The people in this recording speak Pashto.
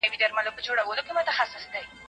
فرضیې ته په کتو معلومات راټول کړئ.